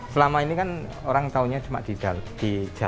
selama ini kan orang taunya cuma ada yang membuat bakpia di jalan besar saja